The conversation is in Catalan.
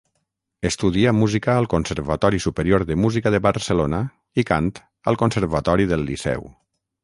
Estudià música al Conservatori Superior de Música de Barcelona i cant al Conservatori del Liceu.